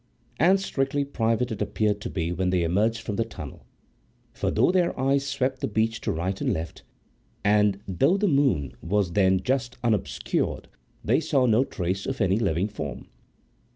And strictly private it appeared to be when they emerged from the tunnel. For though their eyes swept the beach to right and left, and though the moon just then was unobscured, they saw no trace of any living form.